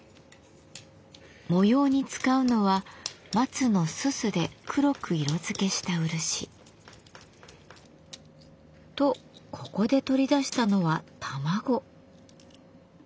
模様に使うのは松のすすで黒く色づけした漆。とここで取り出したのは卵。